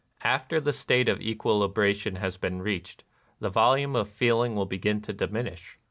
After the state of equilibration has been reached, the volume of feeling will begin to diminish.